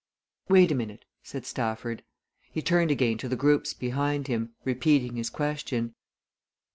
"Wait a minute," said Stafford. He turned again to the groups behind him, repeating his question.